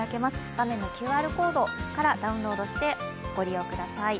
画面のＱＲコードからダウンロードしてご覧ください。